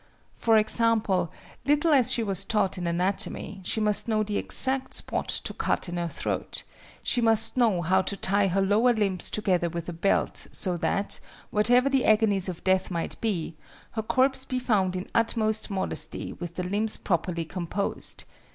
For example, little as she was taught in anatomy, she must know the exact spot to cut in her throat: she must know how to tie her lower limbs together with a belt so that, whatever the agonies of death might be, her corpse be found in utmost modesty with the limbs properly composed.